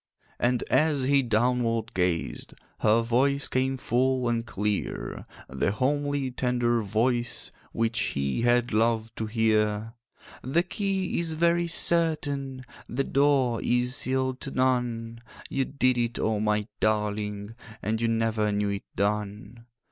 And as he downward gazed, Her voice came full and clear, The homely tender voice Which he had loved to hear: 'The key is very certain, The door is sealed to none. You did it, oh, my darling! And you never knew it done.